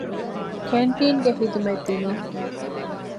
ކެންޓީންގެ ހިދުމަތް ދިނުން